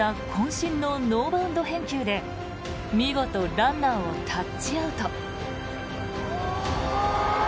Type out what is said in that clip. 身のノーバウンド返球で見事、ランナーをタッチアウト。